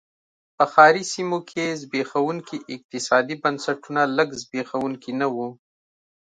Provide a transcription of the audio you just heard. په ښاري سیمو کې زبېښونکي اقتصادي بنسټونه لږ زبېښونکي نه و.